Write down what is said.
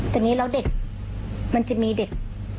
แต่นี่แล้วเด็กมันจะมีเด็ก